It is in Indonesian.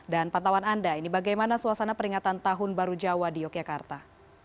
dan pantawan anda ini bagaimana suasana peringatan tahun baru jawa di yogyakarta